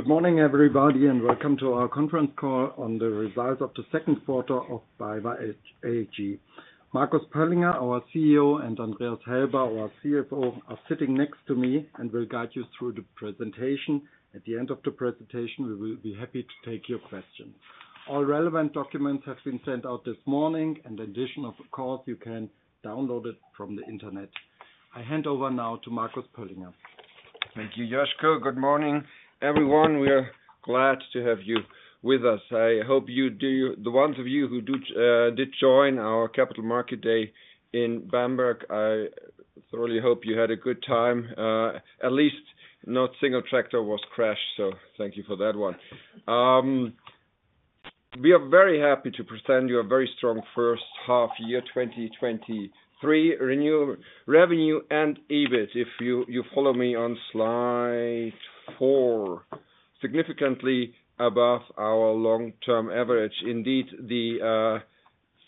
Good morning, everybody, and welcome to our Conference Call on the Results of the Second Quarter of BayWa AG. Marcus Pöllinger, our CEO, and Andreas Helber, our CFO, are sitting next to me and will guide you through the presentation. At the end of the presentation, we will be happy to take your questions. All relevant documents have been sent out this morning, and in addition, of course, you can download it from the internet. I hand over now to Marcus Pöllinger. Thank you, Josko. Good morning, everyone. We are glad to have you with us. I hope you do-- the ones of you who do, did join our Capital Market Day in Bamberg, I thoroughly hope you had a good time. At least no single tractor was crashed, so thank you for that one. We are very happy to present you a very strong first half year, 2023. Revenue and EBIT, if you follow me on slide four, significantly above our long-term average. Indeed, the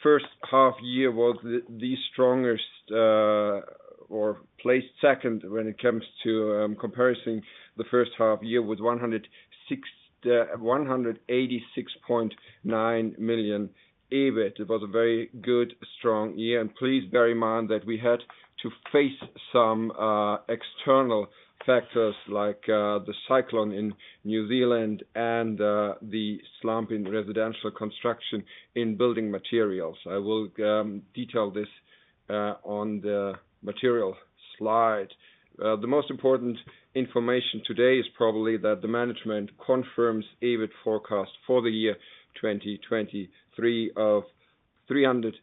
first half year was the strongest or placed second when it comes to comparison, the first half year with 186.9 million EBIT. It was a very good, strong year, and please bear in mind that we had to face some external factors like the cyclone in New Zealand and the slump in residential construction in building materials. I will detail this on the material slide. The most important information today is probably that the management confirms EBIT forecast for the year 2023 of 320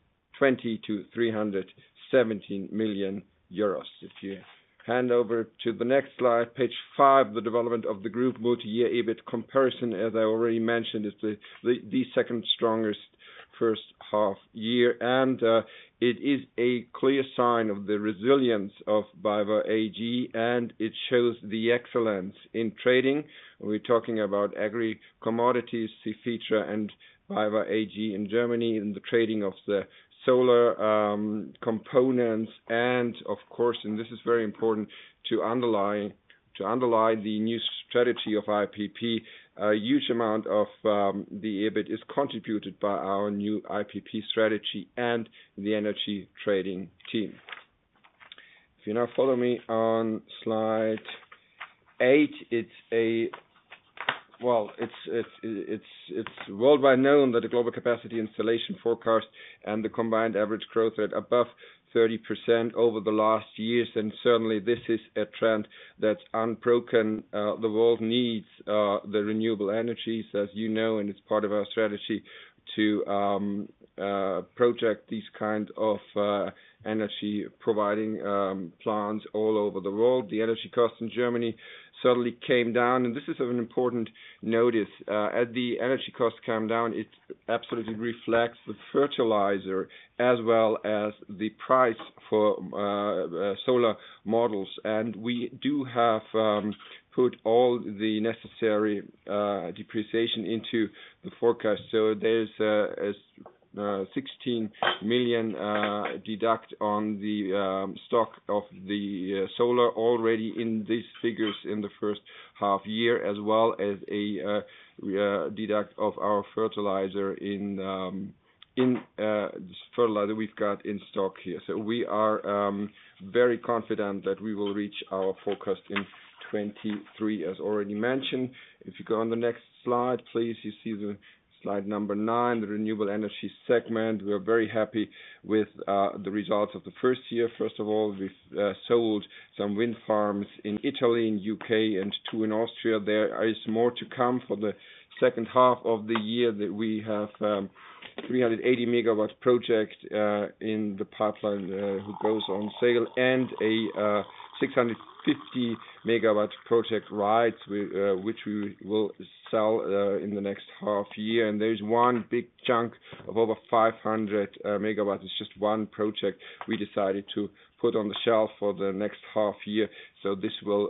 million-317 million euros. If you hand over to the next slide, page five, the development of the group multi-year EBIT comparison, as I already mentioned, is the, the, the second strongest first half year, and it is a clear sign of the resilience of BayWa AG, and it shows the excellence in trading. We're talking about agriculture commodities, Cefetra and BayWa AG in Germany, the trading of the solar components and of course, and this is very important to underline, to underline the new strategy of IPP. A huge amount of the EBIT is contributed by our new IPP strategy and the energy trading team. If you now follow me on slide eight, Well, it's, it's worldwide known that the global capacity installation forecast and the combined average growth rate above 30% over the last years, certainly this is a trend that's unbroken. The world needs the renewable energies, as you know, it's part of our strategy to project these kind of energy-providing plants all over the world. The energy cost in Germany suddenly came down, this is of an important notice. As the energy costs come down, it absolutely reflects the fertilizer as well as the price for solar modules. We do have put all the necessary depreciation into the forecast. There's a 16 million deduct on the stock of the solar already in these figures in the first half year, as well as a deduct of our fertilizer in fertilizer we've got in stock here. We are very confident that we will reach our forecast in 2023, as already mentioned. If you go on the next slide, please, you see the slide number nine, the renewable energy segment. We are very happy with the results of the first year. First of all, we've sold some wind farms in Italy and U.K. and two in Austria. There is more to come for the second half of the year that we have 380 MW project in the pipeline who goes on sale, and a 650 MW project rights which we will sell in the next half year. There is one big chunk of over 500 MW. It's just one project we decided to put on the shelf for the next half year. This will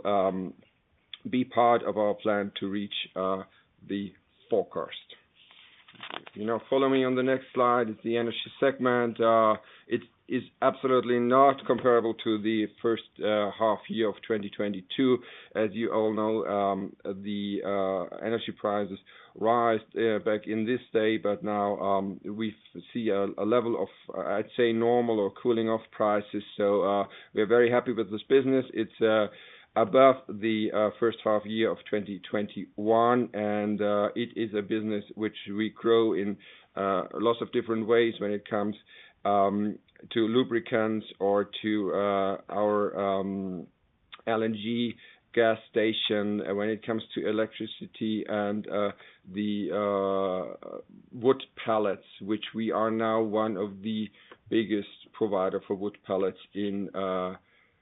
be part of our plan to reach the forecast. Now follow me on the next slide, the energy segment. It is absolutely not comparable to the first half year of 2022. As you all know, the energy prices rised back in this day, but now we see a level of, I'd say, normal or cooling off prices. We're very happy with this business. It's above the first half year of 2021, and it is a business which we grow in lots of different ways when it comes to lubricants or to our LNG gas station, when it comes to electricity and the wood pellets, which we are now one of the biggest provider for wood pellets in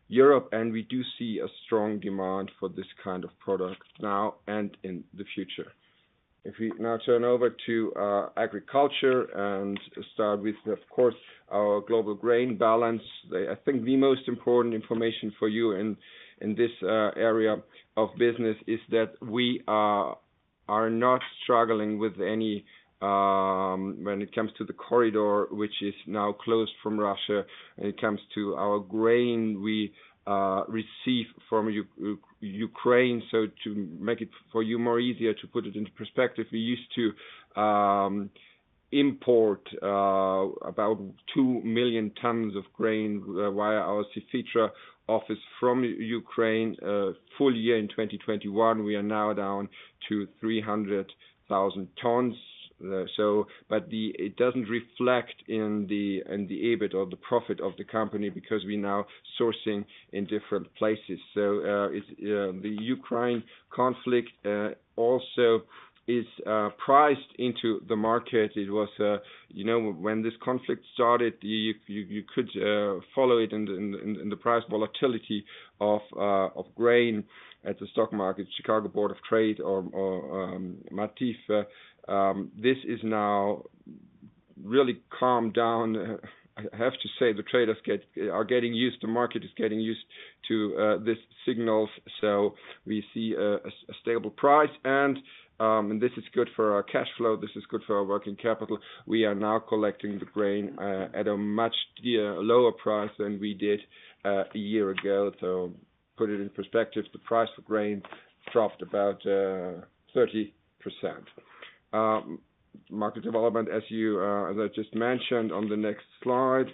Europe. We do see a strong demand for this kind of product now and in the future. If we now turn over to agriculture and start with, of course, our global grain balance. I think the most important information for you in, in this area of business is that we are-... are not struggling with any when it comes to the corridor, which is now closed from Russia, when it comes to our grain, we receive from Ukraine. to make it for you more easier, to put it into perspective, we used to import about 2 million tons of grain via our Cefetra office from Ukraine full year in 2021. We are now down to 300,000 tons, so it doesn't reflect in the EBIT or the profit of the company because we're now sourcing in different places. it's the Ukraine conflict also is priced into the market. It was, you know, when this conflict started, you, you, you could follow it in the, in, in the price volatility of grain at the stock market, Chicago Board of Trade or, or, Matif. This is now really calmed down. I have to say, the traders are getting used, the market is getting used to these signals, so we see a, a stable price and this is good for our cash flow. This is good for our working capital. We are now collecting the grain, at a much, yeah, lower price than we did a year ago. Put it in perspective, the price of grain dropped about 30%. Market development, as you, as I just mentioned on the next slide,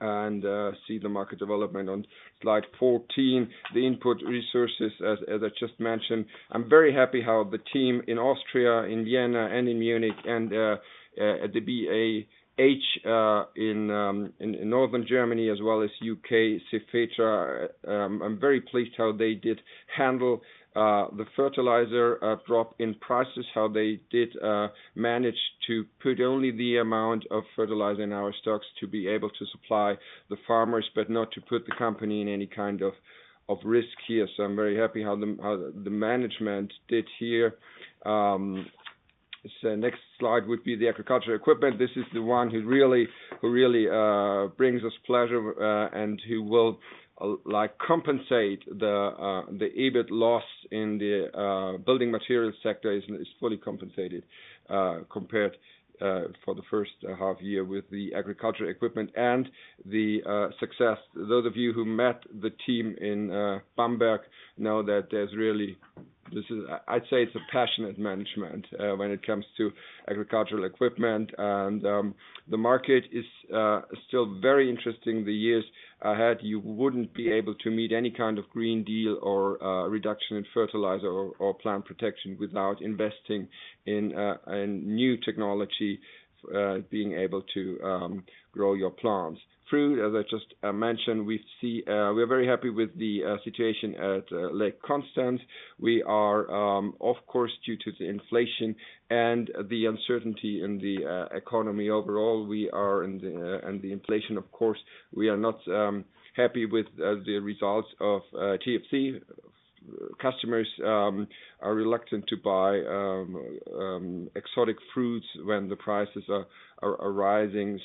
and see the market development on slide 14. The input resources, as, as I just mentioned, I'm very happy how the team in Austria, in Vienna, and in Munich and, at the BAH, in northern Germany as well as U.K., Cefetra. I'm very pleased how they did handle, the fertilizer, drop in prices, how they did, manage to put only the amount of fertilizer in our stocks to be able to supply the farmers, but not to put the company in any kind of, of risk here. I'm very happy how the, how the management did here. Next slide would be the agricultural equipment. This is the one who really, who really brings us pleasure, and who will, like, compensate the EBIT loss in the building material sector is, is fully compensated, compared for the first half year with the agricultural equipment and the success. Those of you who met the team in Bamberg know that there's really... This is- I'd say it's a passionate management when it comes to agricultural equipment and the market is still very interesting. The years ahead, you wouldn't be able to meet any kind of Green Deal or reduction in fertilizer or, or plant protection without investing in a new technology, being able to grow your plants. Fruit, as I just mentioned, we see... We're very happy with the situation at Lake Constance. We are, of course, due to the inflation and the uncertainty in the economy overall, we are in the, and the inflation, of course, we are not happy with the results of TFC. Customers are reluctant to buy exotic fruits when the prices are rising.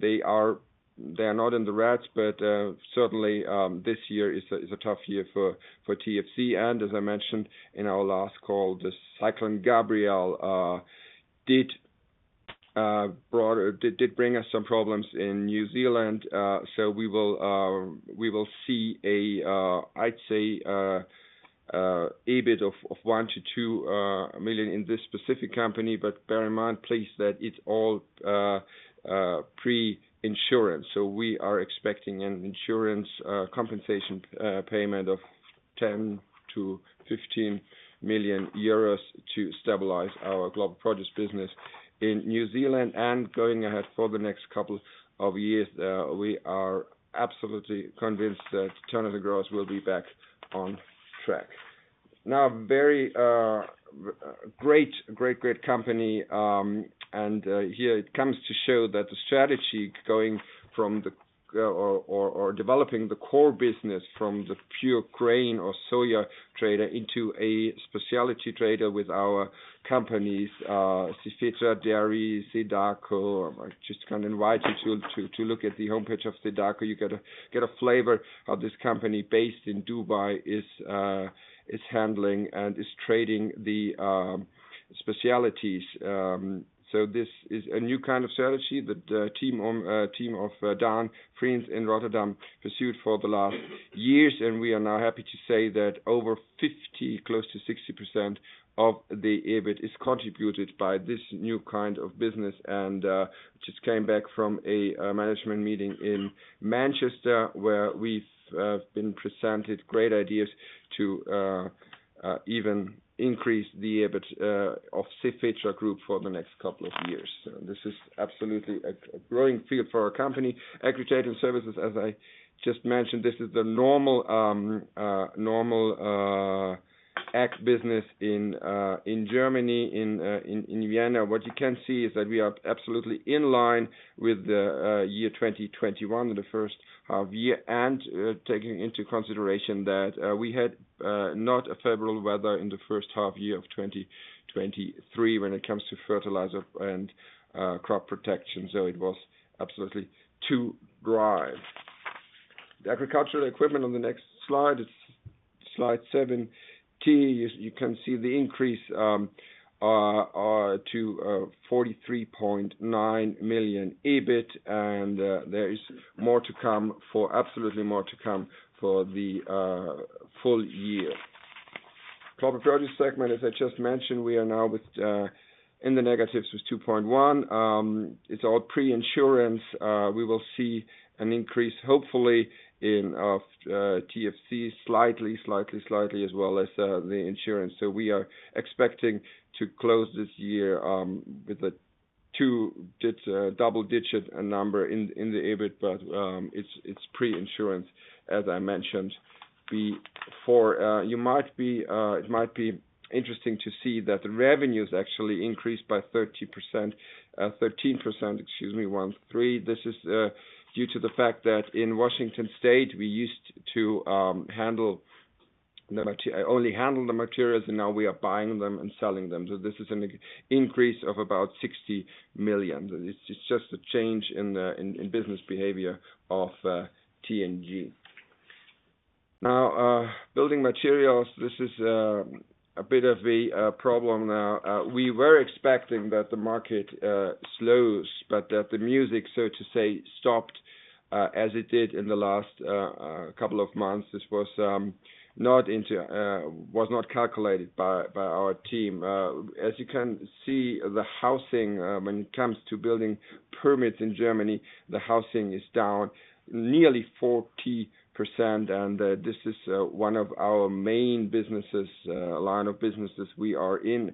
they are not in the reds, but certainly this year is a tough year for TFC. as I mentioned in our last call, the Cyclone Gabrielle did bring us some problems in New Zealand. we will see a, I'd say, EBIT of 1 million-2 million in this specific company. bear in mind, please, that it's all pre-insurance. We are expecting an insurance compensation payment of 10 million-15 million euros to stabilize our global produce business in New Zealand. Going ahead for the next couple of years, we are absolutely convinced that Turner & Growers will be back on track. Very great, great, great company, and here it comes to show that the strategy going from the or developing the core business from the pure grain or soya trader into a specialty trader with our companies, Cefetra, Dairy, Sedaco. I just kinda invite you to look at the homepage of Sedaco. You get a flavor of this company based in Dubai, is handling and is trading the specialties. This is a new kind of strategy that team of Daan Vriens in Rotterdam pursued for the last years. We are now happy to say that over 50%, close to 60% of the EBIT is contributed by this new kind of business. Just came back from a management meeting in Manchester, where we've been presented great ideas to even increase the EBIT of Cefetra Group for the next couple of years. This is absolutely a growing field for our company. Agricultural services, as I just mentioned, this is the normal ag business in Germany, in Vienna. What you can see is that we are absolutely in line with the year 2021 in the first half year, and taking into consideration that we had not a favorable weather in the first half year of 2023 when it comes to fertilizer and crop protection, so it was absolutely too dry. The agricultural equipment on the next slide, it's slide 17. You can see the increase to 43.9 million EBIT, and there is more to come for absolutely more to come for the full year. Crop Production segment, as I just mentioned, we are now in the negatives with -2.1 million. It's all pre-insurance. We will see an increase, hopefully, of TFC, slightly, slightly, slightly as well as the insurance. We are expecting to close this year with a double-digit number in the EBIT. It's pre-insurance, as I mentioned. It might be interesting to see that the revenues actually increased by 30%, 13%, excuse me, one three. This is due to the fact that in Washington State, we used to only handle the materials, and now we are buying them and selling them. This is an increase of about 60 million. It's just a change in the business behavior of TNG. Building materials, this is a bit of a problem now. We were expecting that the market slows, but that the music, so to say, stopped as it did in the last couple of months, this was not into was not calculated by, by our team. As you can see, the housing when it comes to building permits in Germany, the housing is down nearly 40%. This is one of our main businesses, line of businesses we are in.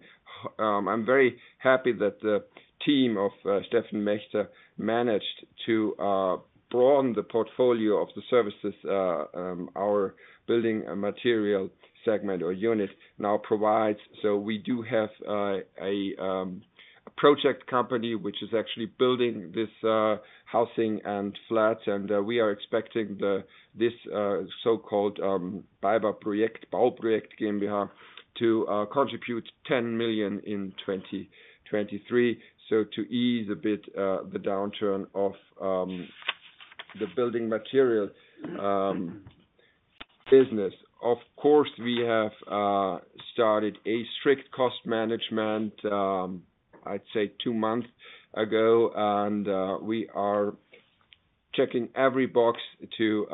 I'm very happy that the team of Steffen Mechter managed to broaden the portfolio of the services our building and material segment or unit now provides. We do have a project company, which is actually building this housing and flats, and we are expecting this so-called BayWa Bauprojekt GmbH to contribute 10 million in 2023. To ease a bit the downturn of the building material business. Of course, we have started a strict cost management, I'd say two months ago, and we are checking every box to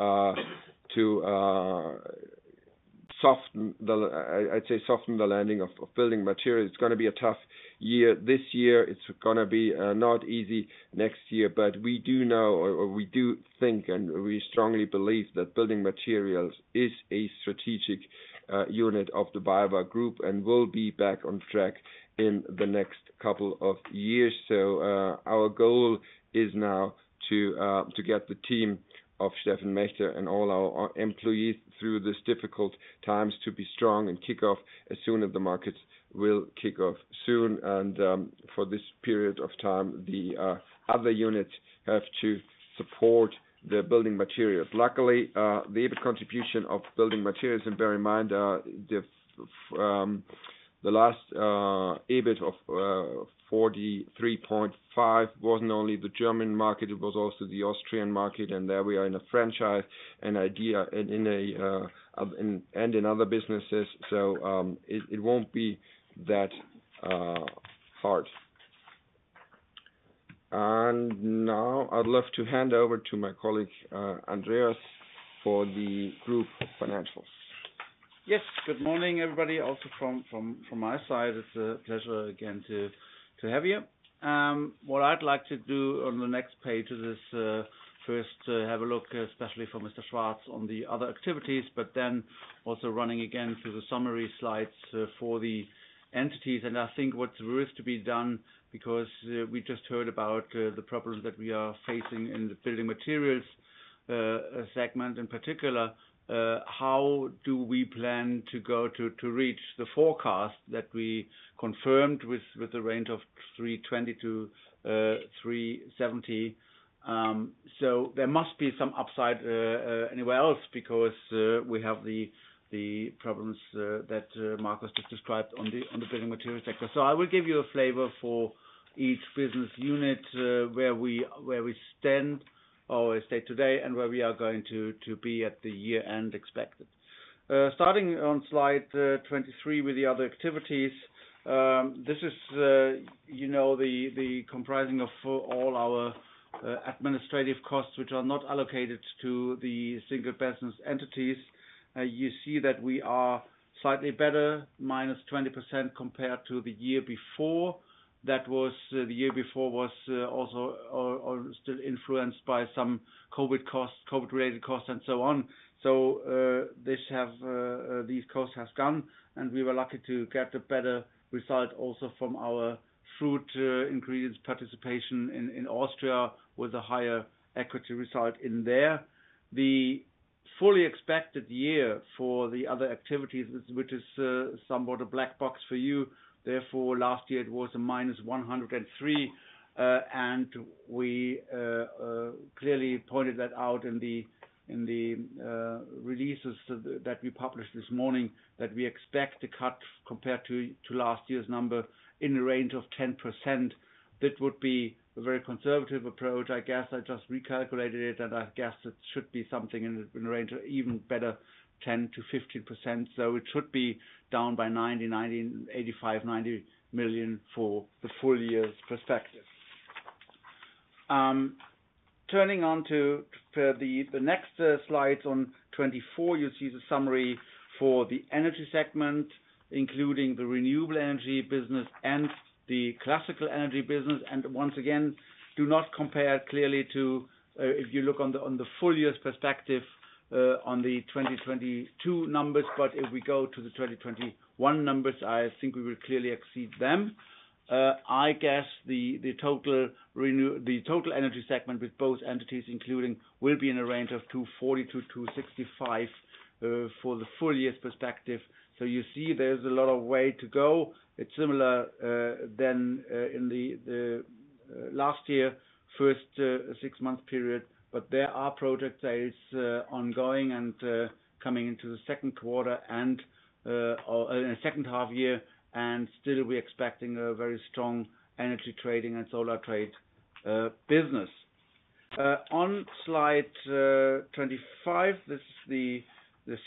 soften the I'd say, soften the landing of building materials. It's gonna be a tough year. This year, it's gonna be not easy next year, we do know or we do think, we strongly believe that building materials is a strategic unit of the BayWa Group, and we'll be back on track in the next couple of years. Our goal is now to get the team of Steffen Mechter and all our employees through this difficult times to be strong and kick off as soon as the markets will kick off soon. For this period of time, the other units have to support the building materials. Luckily, the EBIT contribution of building materials, and bear in mind, the last EBIT of 43.5 million, wasn't only the German market, it was also the Austrian market, and there we are in a franchise and idea, and in other businesses. It, it won't be that hard. Now I'd love to hand over to my colleague, Andreas, for the group financials. Yes, good morning, everybody. Also from, from, from my side, it's a pleasure again, to, to have you. What I'd like to do on the next page is, first, have a look, especially for Mr. Schwarz, on the other activities, also running again through the summary slides, for the entities. I think what's risk to be done, because, we just heard about, the problems that we are facing in the building materials, segment in particular, how do we plan to go to, to reach the forecast that we confirmed with, with the range of 320 million-370 million? There must be some upside, anywhere else, because, we have the, the problems, that, Marcus just described on the, on the building materials sector. I will give you a flavor for each business unit, where we, where we stand or state today, and where we are going to, to be at the year-end expected. Starting on slide 23 with the other activities, this is, you know, the, the comprising of all our administrative costs, which are not allocated to the single business entities. You see that we are slightly better, -20%, compared to the year before. That was, the year before was also or, or still influenced by some COVID costs, COVID-related costs, and so on. This have, these costs have gone, and we were lucky to get a better result also from our fruit, increased participation in, in Austria, with a higher equity result in there. The fully expected year for the other activities, which is, somewhat a black box for you, therefore, last year it was -103 million. We clearly pointed that out in the, in the releases that we published this morning, that we expect to cut compared to, to last year's number in the range of 10%. That would be a very conservative approach, I guess. I just recalculated it, and I guess it should be something in the, in the range of even better, 10%-15%. It should be down by 85 million-90 million for the full year's perspective. Turning on to, to the, the next slide on 24, you see the summary for the energy segment, including the renewable energy business and the classical energy business. Once again, do not compare clearly to, if you look on the, on the full-year perspective, on the 2022 numbers. If we go to the 2021 numbers, I think we will clearly exceed them. I guess the, the total energy segment with both entities, including, will be in a range of 240 million-265 million for the full-year perspective. You see there's a lot of way to go. It's similar than in the, the last year, first six month period, but there are projects that is ongoing and coming into the second quarter and or in the second half year, and still we're expecting a very strong energy trading and solar trade business. On slide 25, this is the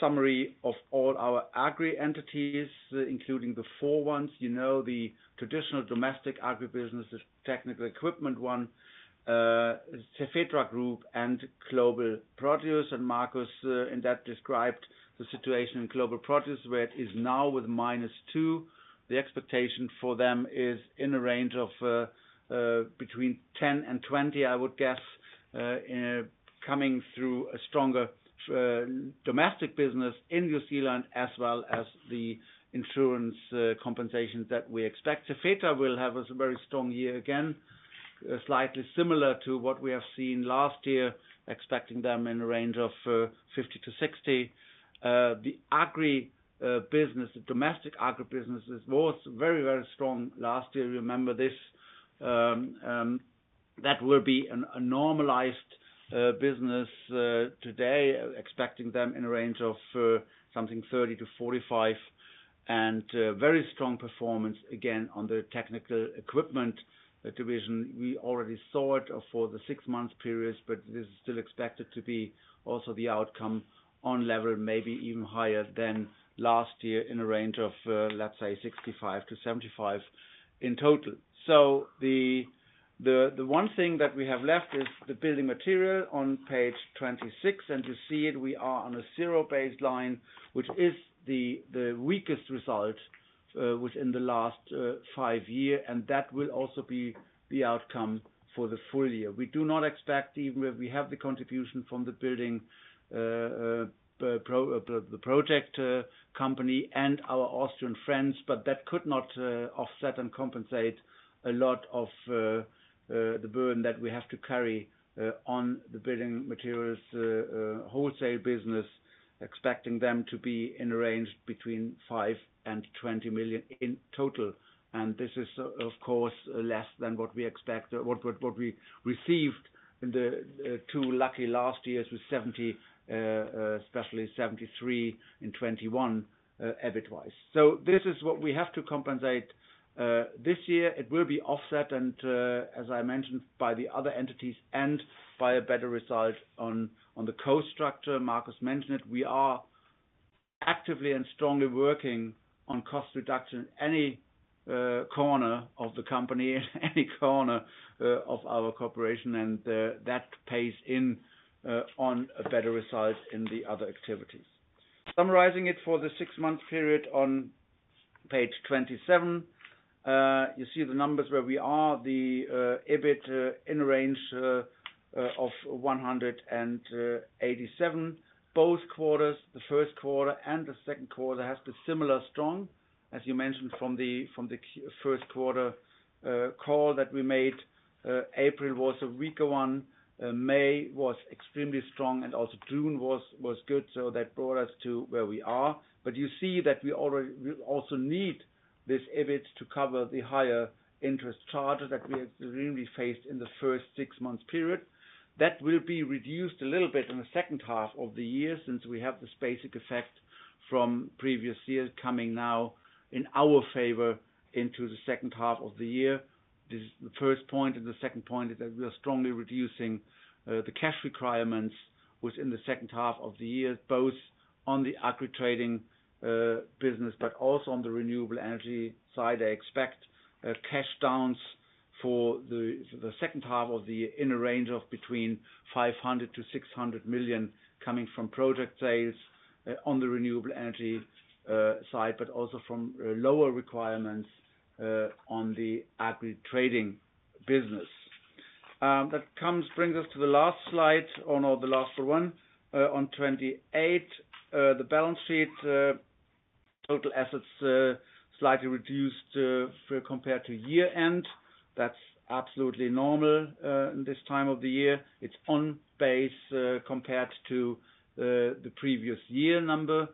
summary of all our agriculture entities, including the four ones. You know, the traditional domestic agribusiness, the technical equipment one, Cefetra Group, and Global Produce. Marcus in that described the situation in Global Produce, where it is now with -2. The expectation for them is in a range of between 10 million and 20 million, I would guess, coming through a stronger domestic business in New Zealand, as well as the insurance compensations that we expect. Cefetra will have a very strong year again, slightly similar to what we have seen last year, expecting them in a range of 50 million-60 million. The agriculture business, the domestic agriculture business was very, very strong last year. Remember this, that will be a, a normalized business today, expecting them in a range of something 30 million-45 million, and very strong performance, again, on the technical equipment division. We already saw it for the six month periods, but this is still expected to be also the outcome on level, maybe even higher than last year, in a range of let's say, 65 million-75 million in total. The, the, the one thing that we have left is the building material on page 26, and to see it, we are on a zero baseline, which is the, the weakest result within the last five year, and that will also be the outcome for the full year. We do not expect even where we have the contribution from the building, the project company and our Austrian friends, that could not offset and compensate a lot of the burden that we have to carry on the building materials wholesale business, expecting them to be in a range between 5 million and 20 million in total. This is, of course, less than what we expect or what, what, what we received in the two lucky last years with 70 million, especially 73 million and 21 million, EBIT-wise. This is what we have to compensate this year. It will be offset and, as I mentioned, by the other entities and by a better result on, on the cost structure. Marcus mentioned it. We are actively and strongly working on cost reduction, any corner of the company, any corner of our corporation, that pays in on a better result in the other activities. Summarizing it for the six-month period on page 27, you see the numbers where we are, the EBIT in a range of 187. Both quarters, the first quarter and the second quarter, has been similar strong, as you mentioned, from the first quarter call that we made, April was a weaker one, May was extremely strong, and also June was, was good, so that brought us to where we are. You see that we also need this EBIT to cover the higher interest charges that we extremely faced in the first six months period. That will be reduced a little bit in the second half of the year, since we have this basic effect from previous years coming now in our favor into the second half of the year. This is the first point. The second point is that we are strongly reducing the cash requirements within the second half of the year, both on the agriculture trading business, but also on the renewable energy side. I expect cash downs for the second half of the year in a range of between 500 million and 600 million, coming from project sales on the renewable energy side, but also from lower requirements on the agriculture trading business. That brings us to the last slide or no, the last one, on slide 28. The balance sheet, total assets, uh, slightly reduced, uh, for compared to year-end. That's absolutely normal, uh, in this time of the year. It's on base, uh, compared to, uh, the previous year number.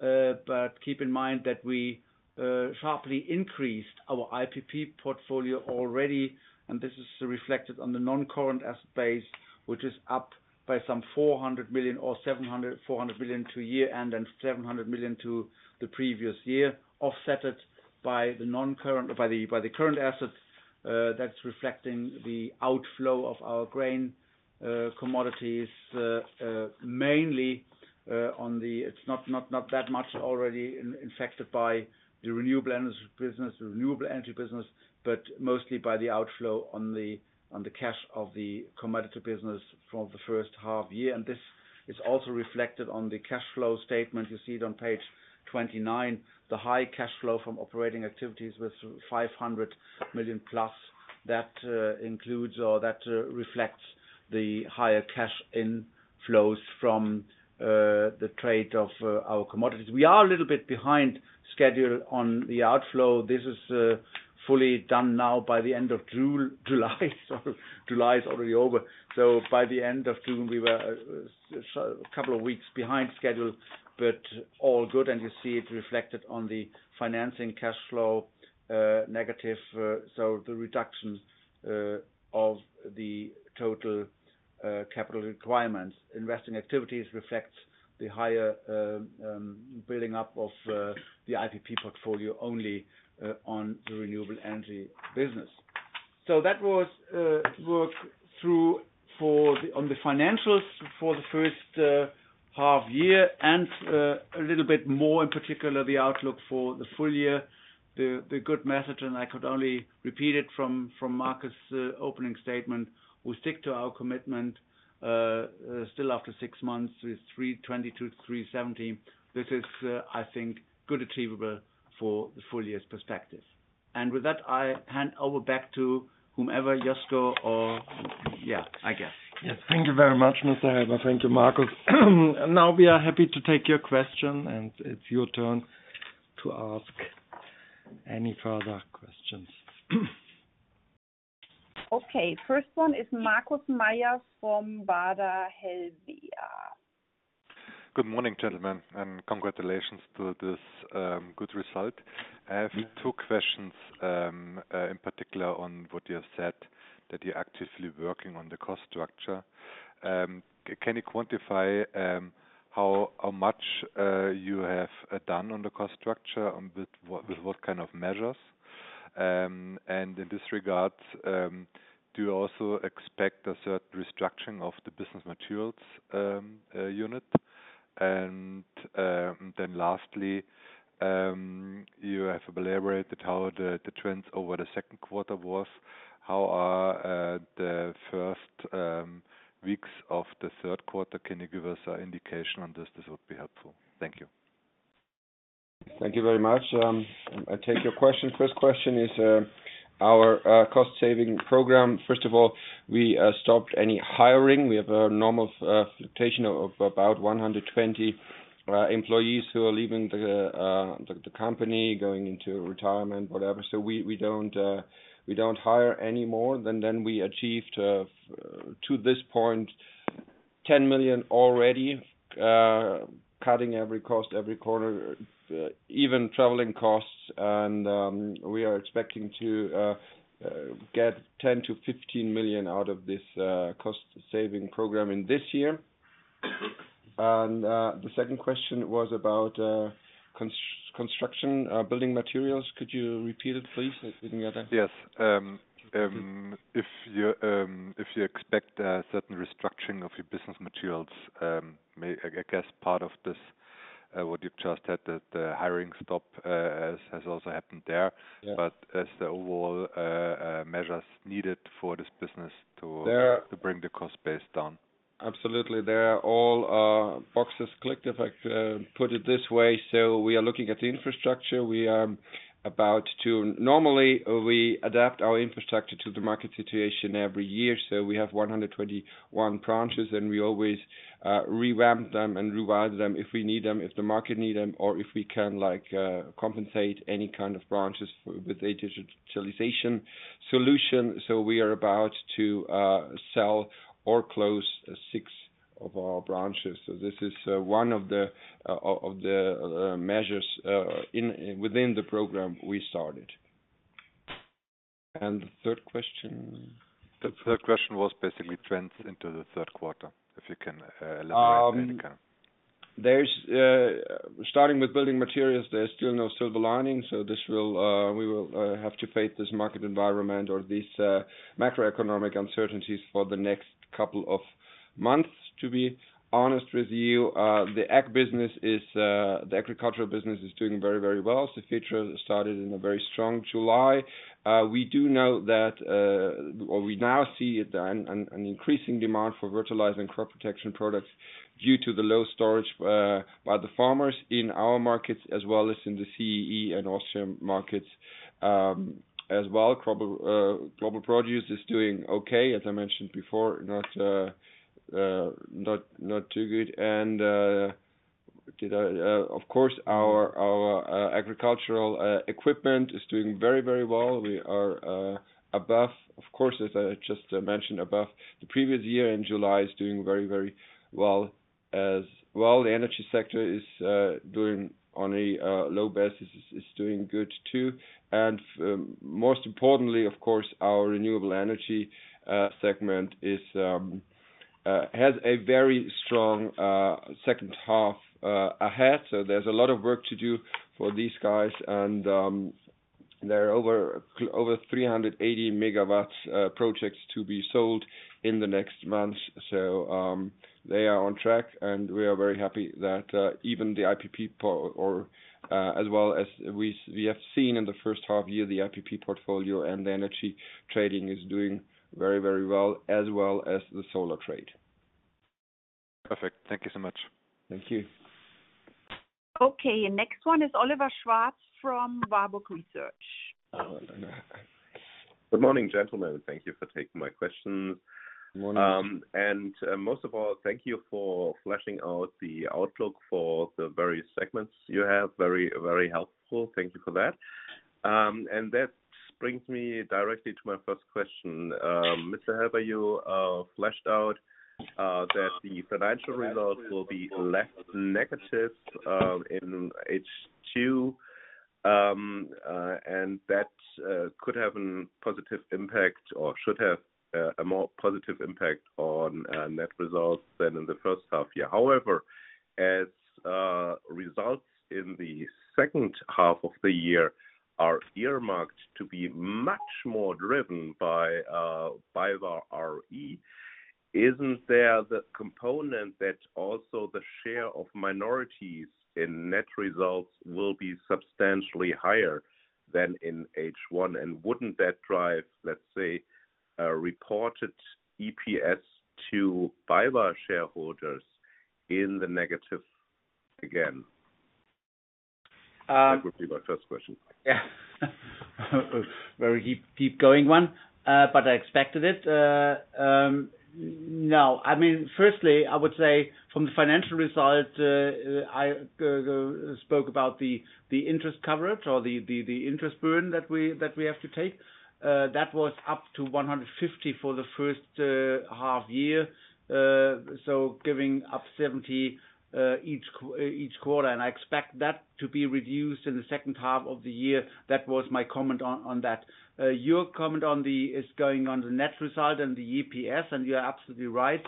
But keep in mind that we, uh, sharply increased our IPP portfolio already, and this is reflected on the non-current asset base, which is up by some 400 million or 700 million, 400 million to year-end, and 700 million to the previous year, offset it by the non-current, by the, by the current assets. That's reflecting the outflow of our grain commodities, mainly, it's not, not, not that much already infected by the renewable energy business, renewable energy business, but mostly by the outflow on the, on the cash of the commodity business for the first half year. This is also reflected on the cash flow statement. You see it on page 29, the high cash flow from operating activities with 500 million+, that includes or that reflects the higher cash inflows from the trade of our commodities. We are a little bit behind schedule on the outflow. This is fully done now by the end of June, July. July is already over. By the end of June, we were a couple of weeks behind schedule, but all good, and you see it reflected on the financing cash flow, negative. The reduction of the total capital requirements. Investing activities reflects the higher building up of the IPP portfolio only on the renewable energy business. That was work through for the financials for the first half-year and a little bit more, in particular, the outlook for the full year. The good message, I could only repeat it from Marcus' opening statement, we stick to our commitment still, after six months, with 320 million-370 million. This is, I think, good achievable for the full year's perspective. With that, I hand over back to whomever, Josko. Yes. Thank you very much, Mr. Helber. Thank you, Marcus. Now we are happy to take your question, and it's your turn to ask any further questions. Okay, first one is Marcus Meyer from Baader Helvea. Good morning, gentlemen. Congratulations to this good result. I have two questions, in particular on what you said, that you're actively working on the cost structure. Can you quantify how much you have done on the cost structure, and with what kind of measures? In this regard, do you also expect a certain restructuring of the business materials unit? Then lastly, you have elaborated how the trends over the second quarter was. How are the first weeks of the third quarter? Can you give us an indication on this? This would be helpful. Thank you. Thank you very much. I take your question. First question is our cost-saving program. First of all, we stopped any hiring. We have a normal fluctuation of about 120 employees who are leaving the company, going into retirement, whatever. We don't, we don't hire any more than, then we achieved to this point, 10 million already, cutting every cost every quarter, even traveling costs. We are expecting to get 10 million-15 million out of this cost-saving program in this year. The second question was about construction, building materials. Could you repeat it, please? I didn't get that. Yes. if you, if you expect a certain restructuring of your business materials, I guess part of this, what you've just said, that the hiring stop, as has also happened there. Yes. as the overall measures needed for this business to- Yeah. to bring the cost base down. Absolutely. There are all boxes clicked, if I put it this way. We are looking at the infrastructure. Normally, we adapt our infrastructure to the market situation every year. We have 121 branches, and we always revamp them and revise them if we need them, if the market need them, or if we can, like, compensate any kind of branches with a digitalization solution. We are about to sell or close six of our branches. This is one of the measures within the program we started. The third question? The third question was basically trends into the third quarter, if you can elaborate. There's, starting with building materials, there's still no silver lining, so this will, we will, have to face this market environment or these, macroeconomic uncertainties for the next couple of months. To be honest with you, the ag business is, the agricultural business is doing very, very well. The future started in a very strong July. We do know that, or we now see an increasing demand for fertilizer and crop protection products due to the low storage, by the farmers in our markets, as well as in the CEE and Austrian markets. As well, crop, global produce is doing okay, as I mentioned before, not, not too good. Did I-- Of course, our, our, agricultural, equipment is doing very, very well. We are, above, of course, as I just mentioned, above the previous year, and July is doing very, very well. As well, the energy sector is doing on a low basis, is doing good, too. Most importantly, of course, our renewable energy segment has a very strong second half ahead. So there's a lot of work to do for these guys. There are over 380 MW projects to be sold in the next months. They are on track, and we are very happy that even the IPP port or, as well as we have seen in the first half year, the IPP portfolio and the energy trading is doing very, very well, as well as the solar trade. Perfect. Thank you so much. Thank you. Okay, next one is Oliver Schwarz from Warburg Research. Good morning, gentlemen. Thank you for taking my questions. Good morning. Most of all, thank you for fleshing out the outlook for the various segments you have. Very, very helpful. Thank you for that. That brings me directly to my first question. Mr. Helber, you fleshed out that the financial results will be less negative in H2. That could have an positive impact or should have a more positive impact on net results than in the first half year. However, as results in the second half of the year are earmarked to be much more driven by BayWa r.e., isn't there the component that also the share of minorities in net results will be substantially higher than in H1? Wouldn't that drive, let's say, a reported EPS to BayWa shareholders in the negative again? Uh. That would be my first question. Very deep, deep going one, I expected it. No. I mean, firstly, I would say from the financial result, I spoke about the interest coverage or the interest burn that we have to take. That was up to 150 million for the first half year. Giving up 70 million each quarter, and I expect that to be reduced in the second half of the year. That was my comment on that. Your comment on the, is going on the net result and the EPS, you're absolutely right.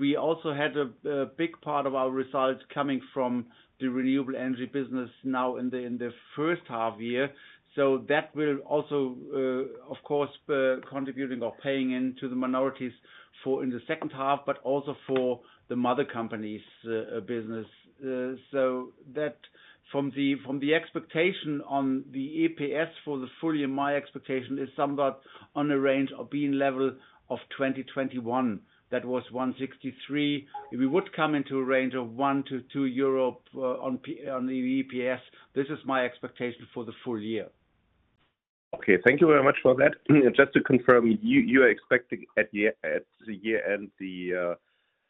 We also had a big part of our results coming from the renewable energy business now in the first half year. That will also, of course, contributing or paying into the minorities for in the second half, but also for the mother company's business. That from the, from the expectation on the EPS for the full year, my expectation is somewhat on the range of being level of 2021. That was 1.63. If we would come into a range of 1-2 euro on the EPS, this is my expectation for the full year. Okay. Thank you very much for that. Just to confirm, you, you are expecting at year, at the year end, the,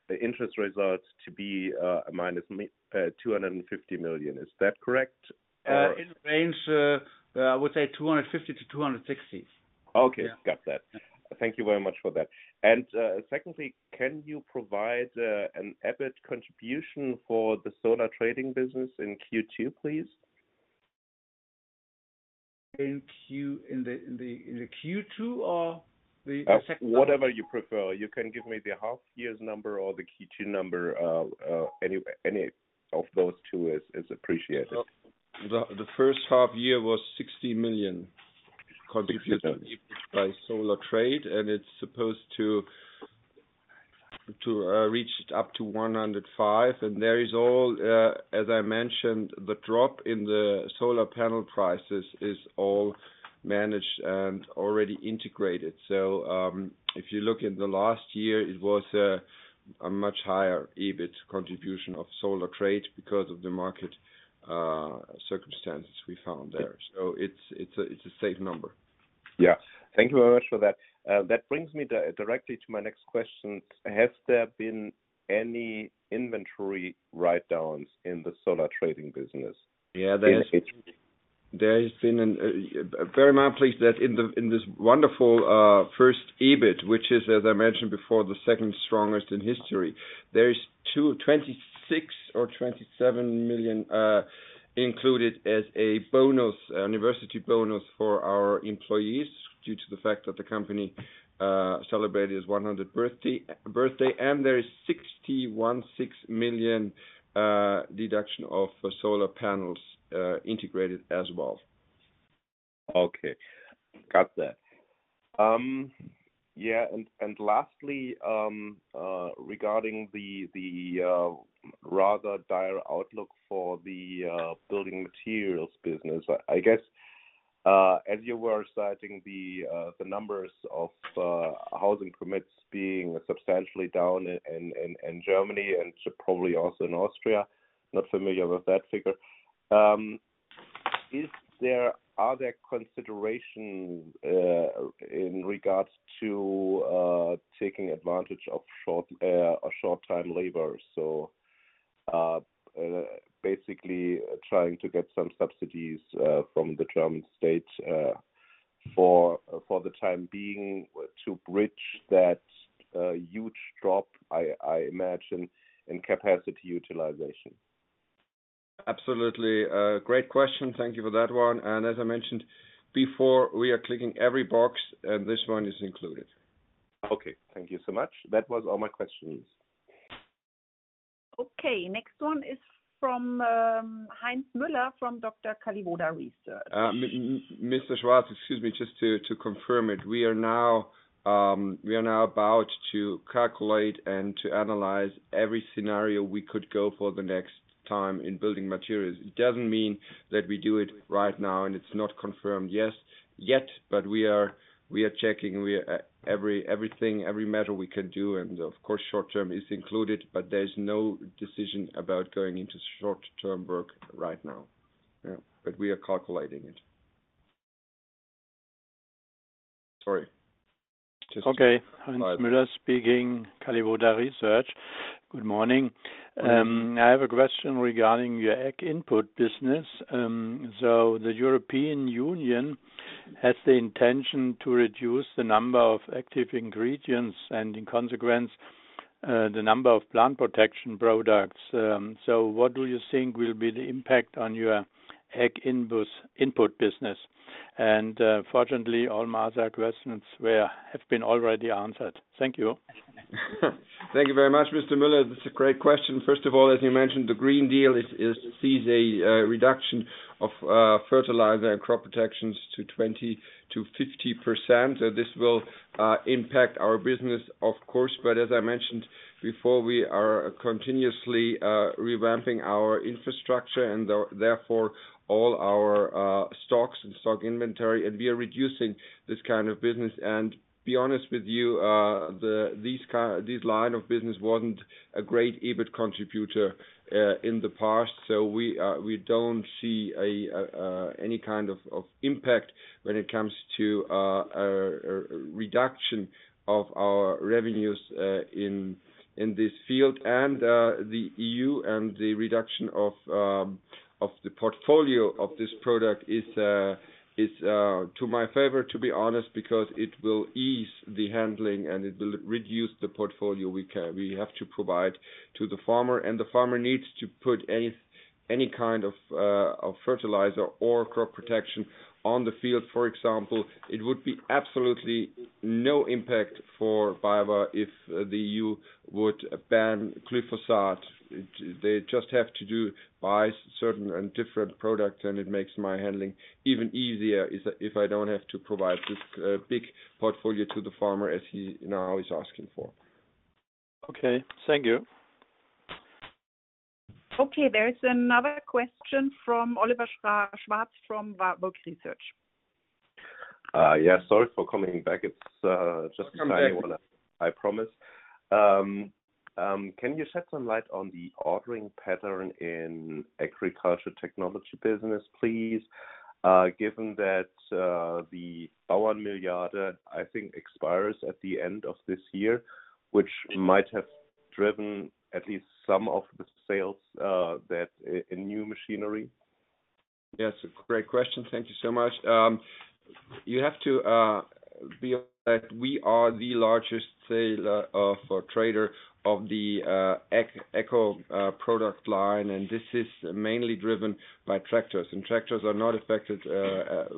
the interest results to be, minus 250 million. Is that correct? In range, I would say 250 million-260 million. Okay. Yeah. Got that. Thank you very much for that. Secondly, can you provide an EBIT contribution for the solar trading business in Q2, please? In Q2 or the second? Whatever you prefer, you can give me the half year's number or the Q2 number. Any of those two is appreciated. The first half year was 60 million contribution- EUR 60 million.... by solar trade, it's supposed to, to reach up to 105 million. There is all, as I mentioned, the drop in the solar panel prices is all managed and already integrated. If you look in the last year, it was a much higher EBIT contribution of solar trade because of the market circumstances we found there. It's, it's a, it's a safe number. Yeah. Thank you very much for that. That brings me directly to my next question: Has there been any inventory write-downs in the solar trading business? Yeah. In H- There has been very much pleased that in this wonderful, first EBIT, which is, as I mentioned before, the second strongest in history, there is 26 million or 27 million included as a bonus, university bonus for our employees, due to the fact that the company celebrated its 100th birthday, birthday, and there is 61.6 million deduction of solar panels integrated as well. Okay. Got that. Yeah, lastly, regarding the, the rather dire outlook for the building materials business, I, I guess, as you were citing the, the numbers of housing permits being substantially down in, in, in Germany and probably also in Austria, not familiar with that figure. Are there considerations in regards to taking advantage of short-time labor? Basically trying to get some subsidies from the German state for the time being, to bridge that huge drop, I, I imagine, in capacity utilization. Absolutely. Great question. Thank you for that one. As I mentioned before, we are clicking every box, and this one is included. Okay. Thank you so much. That was all my questions. Okay, next one is from Heinz Müller from Dr. Kalliwoda Research. Mr. Schwarz, excuse me, just to, to confirm it, we are now, we are now about to calculate and to analyze every scenario we could go for the next time in building materials. It doesn't mean that we do it right now, and it's not confirmed yet, yet, but we are, we are checking we, everything, every measure we can do, and of course, short term is included, but there's no decision about going into short-term work right now. Yeah. We are calculating it. Sorry. Okay. Go ahead. Heinz Müller speaking, Kalliwoda Research. Good morning. I have a question regarding your ag input business. The European Union has the intention to reduce the number of active ingredients and in consequence, the number of plant protection products. What do you think will be the impact on your ag input, input business? Fortunately, all my other questions were, have been already answered. Thank you. Thank you very much, Mr. Müller. This is a great question. First of all, as you mentioned, the Green Deal is, sees a reduction of fertilizer and crop protections to 20%-50%. This will impact our business, of course, but as I mentioned before, we are continuously revamping our infrastructure and therefore, all our stocks and stock inventory, and we are reducing this kind of business. To be honest with you, this line of business wasn't a great EBIT contributor in the past, so we don't see any kind of impact when it comes to reduction of our revenues in this field. The EU and the reduction of the portfolio of this product is, is to my favor, to be honest, because it will ease the handling and it will reduce the portfolio we can, we have to provide to the farmer. The farmer needs to put any kind of fertilizer or crop protection on the field. For example, it would be absolutely no impact for BayWa if the EU would ban glyphosate. They just have to buy certain and different products. It makes my handling even easier if I don't have to provide this big portfolio to the farmer as he now is asking for. Okay. Thank you. There is another question from Oliver Schwarz from Warburg Research. Yeah, sorry for coming back. It's. Come back.... tiny one, I promise. Can you shed some light on the ordering pattern in agriculture technology business, please? given that, the Bauernmilliarde, I think, expires at the end of this year, which might have driven at least some of the sales, that in, in new machinery. Yes, great question. Thank you so much. You have to be aware that we are the largest seller of, or trader of the eco product line, and this is mainly driven by tractors, and tractors are not affected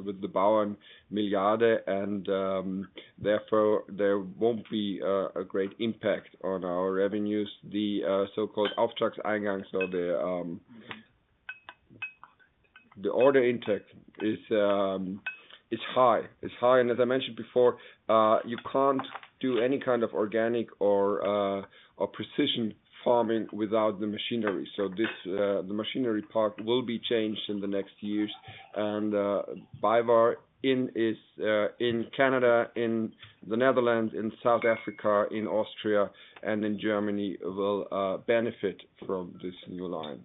with the Bauernmilliarde, and therefore, there won't be a great impact on our revenues. The so-called Auftragseingang, so the order intake is high. It's high, as I mentioned before, you can't do any kind of organic or precision farming without the machinery. This the machinery part will be changed in the next years. BayWa in is in Canada, in the Netherlands, in South Africa, in Austria and in Germany, will benefit from this new line.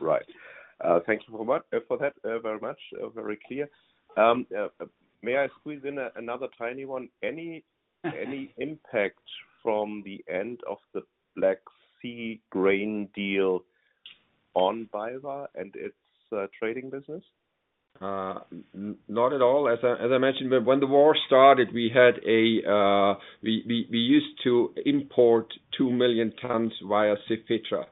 Right. Thank you so much, for that, very much, very clear. May I squeeze in a another tiny one? Sure... any impact from the end of the Black Sea grain deal on BayWa and its trading business? Not at all. As I, as I mentioned, when the war started, we had a... We, we, we used to import 2 million tons via Constanța,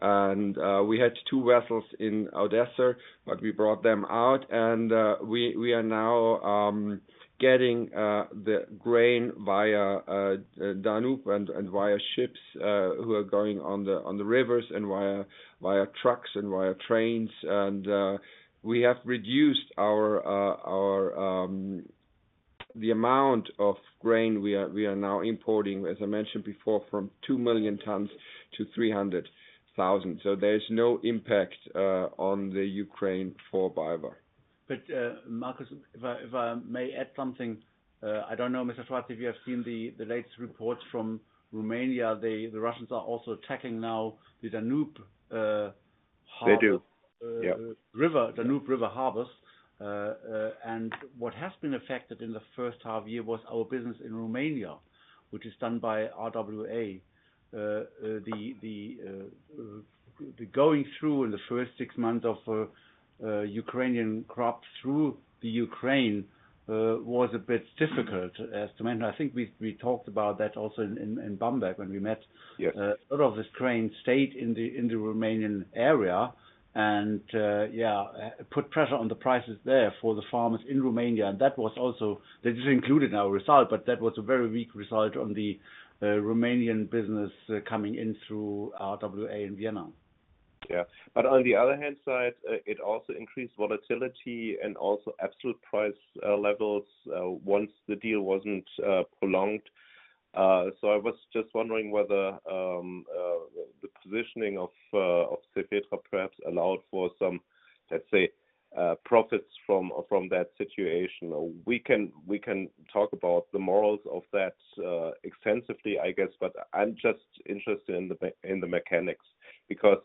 and we had two vessels in Odesa, but we brought them out, and we are now getting the grain via Danube and via ships who are going on the rivers and via trucks and via trains. We have reduced our, the amount of grain we are now importing, as I mentioned before, from 2 million tons to 300,000. There is no impact on the Ukraine for BayWa. Marcus, if I, if I may add something, I don't know, Mr. Schwarz, if you have seen the, the latest reports from Romania, the, the Russians are also attacking now the Danube, harbor- They do, yeah.... river, Danube River harbors. Uh, uh, and what has been affected in the first half year was our business in Romania, which is done by RWA. Uh, uh, the, the, uh, uh, the going through in the first six months of, uh, uh, Ukrainian crops through the Ukraine, uh, was a bit difficult, as to mention, I think we, we talked about that also in, in Bamberg, when we met. Yes. A lot of this grain stayed in the Romanian area and put pressure on the prices there for the farmers in Romania. That was also, this is included in our result, but that was a very weak result on the Romanian business coming in through RWA in Vienna. ... On the other hand side, it also increased volatility and also absolute price levels once the deal wasn't prolonged. I was just wondering whether the positioning of perhaps allowed for some, let's say, profits from, from that situation. We can, we can talk about the morals of that extensively, I guess, but I'm just interested in the mechanics, because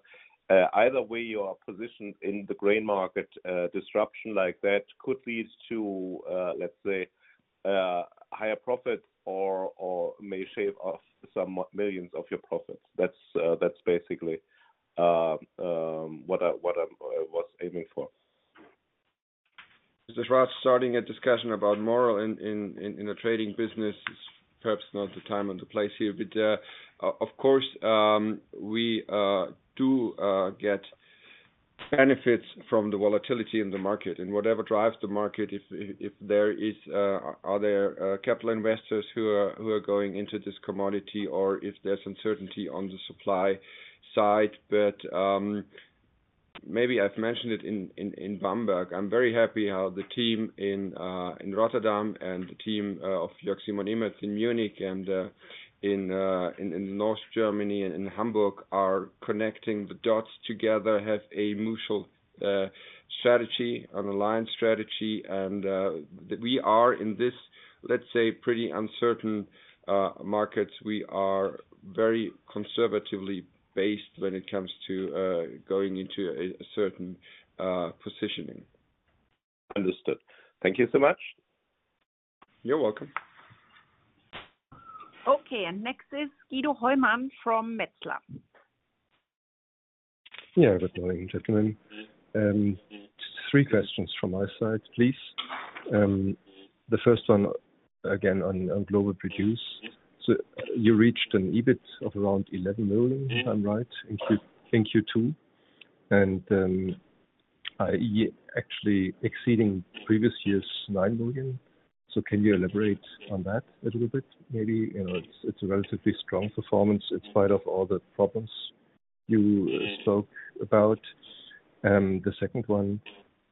either way, your position in the grain market disruption like that could lead to, let's say, higher profit or may shave off some millions of your profits. That's, that's basically what I, what I'm, was aiming for. Mr. Schwarz, starting a discussion about moral in a trading business is perhaps not the time and the place here. Of course, we do get benefits from the volatility in the market and whatever drives the market, if there are capital investors who are going into this commodity, or if there's uncertainty on the supply side. Maybe I've mentioned it in Bamberg. I'm very happy how the team in Rotterdam and the team of in Munich and in North Germany and in Hamburg, are connecting the dots together, have a mutual strategy, an aligned strategy, and we are in this, let's say, pretty uncertain markets. We are very conservatively based when it comes to going into a certain positioning. Understood. Thank you so much. You're welcome. Okay, next is Guido Hoymann from Metzler. Good morning, gentlemen. three questions from my side, please. The first one, again, on, on global produce. You reached an EBIT of around 11 million- Mm-hmm. If I'm right, in Q2, actually exceeding previous year's 9 million. Can you elaborate on that a little bit? Maybe, you know, it's, it's a relatively strong performance in spite of all the problems you spoke about. The second one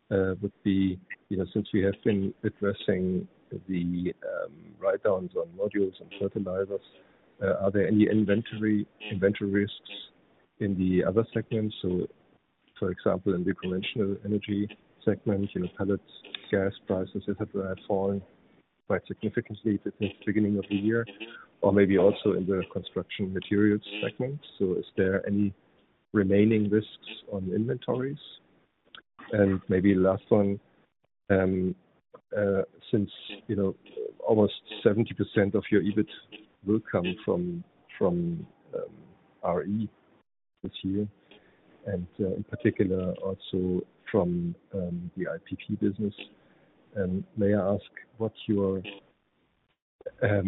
would be, you know, since we have been addressing the write-downs on modules and fertilizers, are there any inventory risks in the other segments? For example, in the conventional energy segment, you know, pellets, gas prices, et cetera, have fallen quite significantly since the beginning of the year, or maybe also in the construction materials segment. Is there any remaining risks on inventories? Maybe last one, since, you know, almost 70% of your EBIT will come from RE this year, and in particular, also from the IPP business. May I ask what your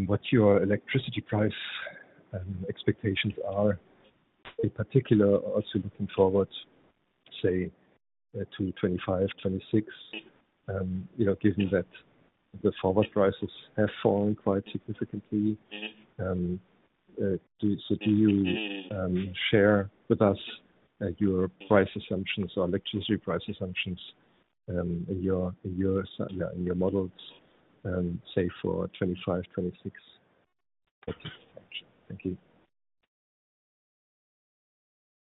what your electricity price and expectations are, in particular, also looking forward, say, to 2025, 2026? You know, given that the forward prices have fallen quite significantly. So do you share with us your price assumptions or electricity price assumptions in your, in your, in your models, say, for 2025, 2026? Thank you.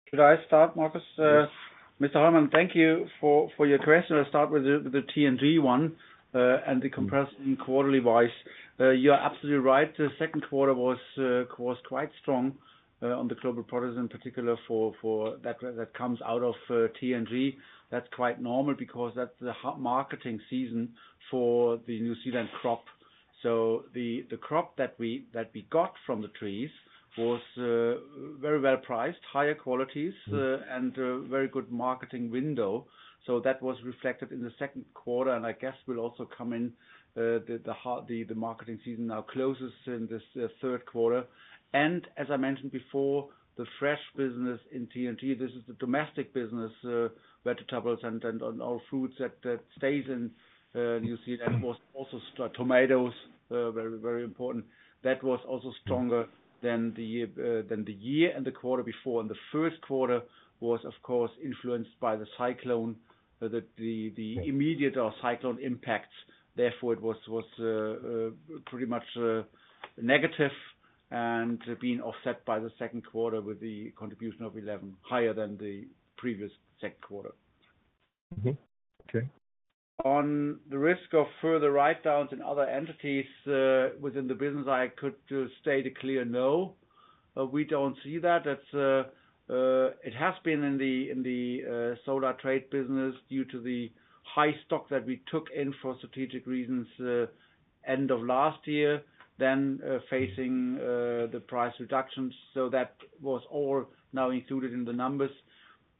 Should I start, Marcus? Yes. Mr. Hoymann, thank you for, for your question. I'll start with the, the TNG one, and the comparison quarterly wise. You're absolutely right. The second quarter was, was quite strong, on the global products, in particular for, for that, that comes out of, TNG. That's quite normal because that's the marketing season for the New Zealand crop. The, the crop that we, that we got from the trees was, very well priced, higher qualities- Mm. A very good marketing window. That was reflected in the second quarter, and I guess will also come in the, the marketing season now closes in this third quarter. As I mentioned before, the fresh business in TNG, this is the domestic business, vegetables and, and, and all fruits that stays in New Zealand. Mm. Was also, tomatoes, very, very important. That was also stronger- Mm. Than the year, than the year and the quarter before, and the first quarter was, of course, influenced by the cyclone, the, the, the immediate or cyclone impact. Therefore, it was pretty much negative and being offset by the second quarter with the contribution of 11, higher than the previous second quarter. Mm-hmm. Okay. On the risk of further write-downs in other entities, within the business, I could state a clear no. We don't see that. That's, it has been in the, in the, solar trade business due to the high stock that we took in for strategic reasons, end of last year, then, facing- Mm. The price reductions. That was all now included in the numbers.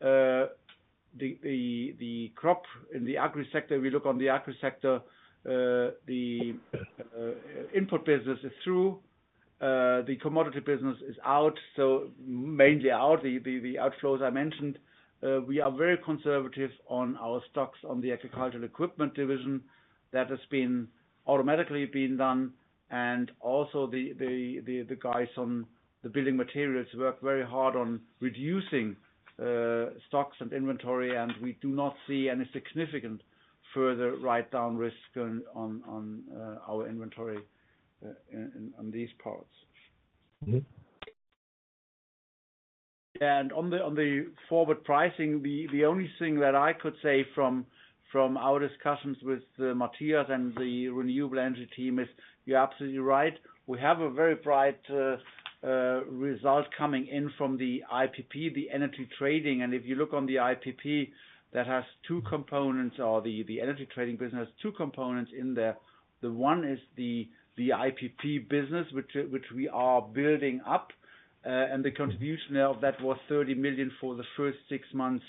The, the, the crop in the agriculture sector, we look on the agriculture sector, the, the input business is through, the commodity business is out, so mainly out, the, the, the outflows I mentioned. We are very conservative on our stocks on the agricultural equipment division. That has been automatically been done, and also the, the, the, the guys on the building materials work very hard on reducing, stocks and inventory, and we do not see any significant-... further write down risk on, on, on, our inventory, on, on these parts. Mm-hmm. On the, on the forward pricing, the, the only thing that I could say from, from our discussions with Matthias and the renewable energy team is, you're absolutely right. We have a very bright result coming in from the IPP, the energy trading. If you look on the IPP, that has two components, or the, the energy trading business has two components in there. The one is the, the IPP business, which we are building up, and the contribution of that was 30 million for the first six months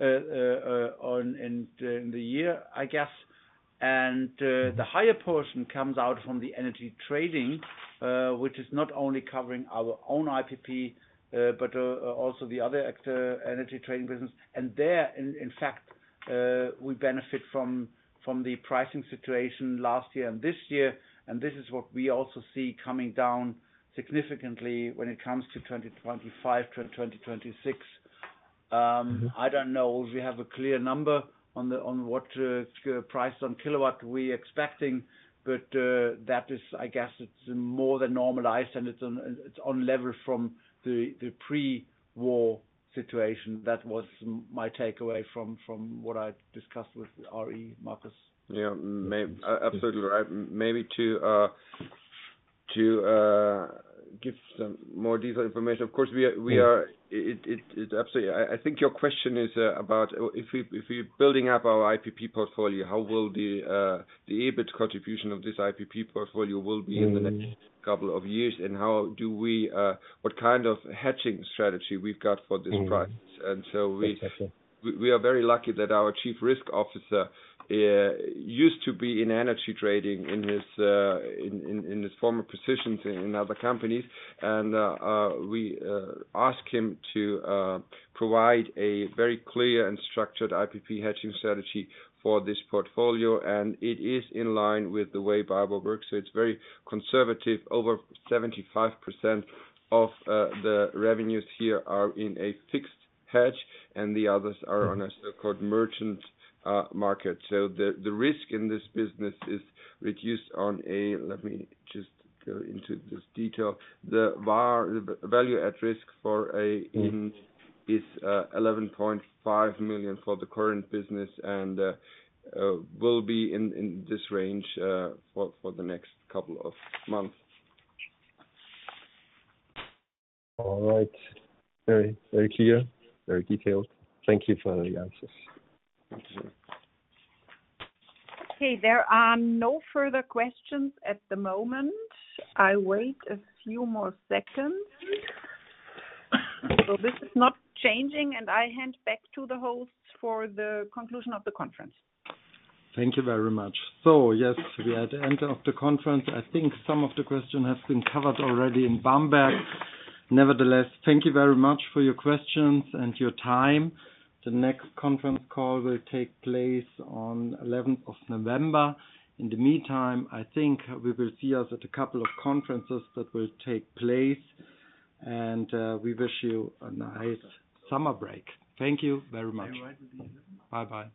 in the year, I guess. The higher portion comes out from the energy trading, which is not only covering our own IPP, but also the other extra energy trading business. There, in, in fact, we benefit from, from the pricing situation last year and this year, and this is what we also see coming down significantly when it comes to 2025-2026. I don't know if we have a clear number on the, on what price on kilowatt we expecting, but that is, I guess it's more than normalized and it's on, it's on level from the, the pre-war situation. That was my takeaway from, from what I discussed with RE Marcus. Yeah. Absolutely right. Maybe to give some more detailed information. Of course, we are, we are... It, it, it absolutely. I think your question is about if we, if we're building up our IPP portfolio, how will the EBIT contribution of this IPP portfolio will be in the next- Mm-hmm... couple of years, and how do we, what kind of hedging strategy we've got for this price? Mm-hmm. And so we- Exactly. We, we are very lucky that our Chief Risk Officer used to be in energy trading in his in in his former positions in other companies. We ask him to provide a very clear and structured IPP hedging strategy for this portfolio, and it is in line with the way BayWa works. It's very conservative. Over 75% of the revenues here are in a fixed hedge, and the others are on a so-called merchant market. The, the risk in this business is reduced on a... Let me just go into this detail. The VAR, the value at risk for a, in is 11.5 million for the current business and will be in in this range for for the next couple of months. All right. Very, very clear, very detailed. Thank you for the answers. Thank you. Okay, there are no further questions at the moment. I wait a few more seconds. This is not changing, and I hand back to the host for the conclusion of the conference. Thank you very much. Yes, we are at the end of the conference. I think some of the question has been covered already in Bamberg. Nevertheless, thank you very much for your questions and your time. The next conference call will take place on 11th of November. In the meantime, I think we will see us at a couple of conferences that will take place, and we wish you a nice summer break. Thank you very much. Bye-bye.